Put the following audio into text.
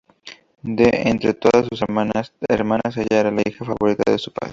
De entre todas sus hermanas, ella era la hija favorita de su padre.